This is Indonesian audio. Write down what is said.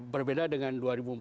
berbeda dengan dua ribu empat belas